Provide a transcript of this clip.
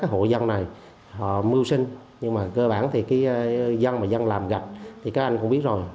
hộ dân này họ mưu sinh nhưng mà cơ bản thì cái dân mà dân làm gạch thì các anh cũng biết rồi